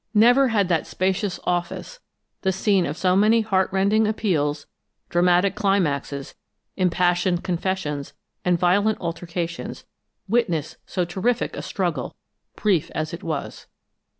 Never had that spacious office the scene of so many heartrending appeals, dramatic climaxes, impassioned confessions and violent altercations witnessed so terrific a struggle, brief as it was.